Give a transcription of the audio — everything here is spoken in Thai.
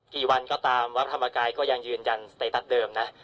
กี่วันก็ตามวัดธรรมกายก็ยังยืนยันสเตตัสเดิมนะ